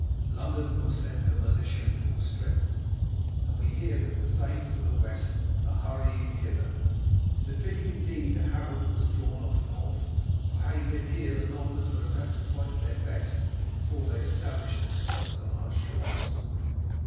London will send her militia in full strength, and we hear that the thanes of the West are hurrying hither. 'Tis a pity indeed that Harold was drawn off north, for had he been here the Normans would have had to fight their best before they established themselves on our shores."